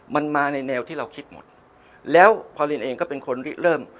มันมาในแนวที่เราคิดหมดแล้วพอลินเองก็เป็นคนเริ่ม